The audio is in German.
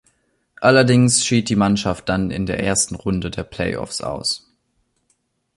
Allerdings schied die Mannschaft dann in der ersten Runde der Play-offs aus.